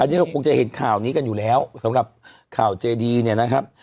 อันนี้เราคงจะเห็นข่าวนี้กันอยู่แล้วสำหรับข่าวเจดีเนี่ยนะครับ